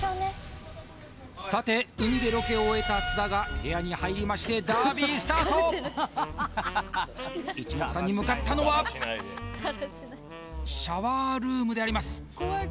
さて海でロケを終えた津田が部屋に入りましてダービースタートいちもくさんに向かったのはシャワールームであります